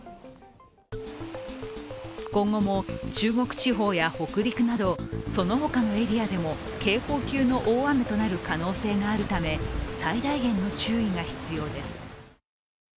今後も中国地方や北陸などその他のエリアでも警報級の大雨となる可能性があるため、最大限の注意が必要です。